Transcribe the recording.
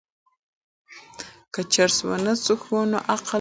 که چرس ونه څښو نو عقل نه ځي.